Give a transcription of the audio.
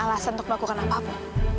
alasan untuk melakukan apa apa